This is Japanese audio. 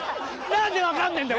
何で分かんねえんだ。